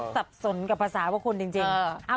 สับสนกับภาษาพวกคุณจริง